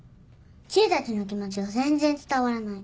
知恵たちの気持ちが全然伝わらない。